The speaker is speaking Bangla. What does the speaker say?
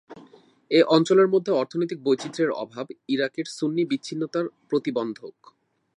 এই অঞ্চলের মধ্যে অর্থনৈতিক বৈচিত্র্যের অভাব ইরাকের সুন্নি বিচ্ছিন্নতার প্রতিবন্ধক।